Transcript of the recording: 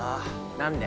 何で？